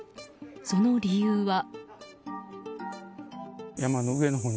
その理由は。